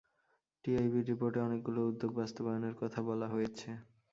টিআইবির রিপোর্টে অনেকগুলো উদ্যোগ বাস্তবায়নের কথা বলা হয়েছে।